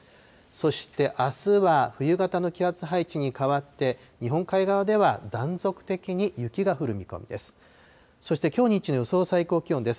そしてあすは冬型の気圧配置に変わって、日本海側では断続的に雪が降る見込みです。